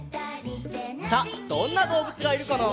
さあどんなどうぶつがいるかな？